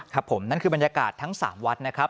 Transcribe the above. ครับผมนั่นคือบรรยากาศทั้ง๓วัดนะครับ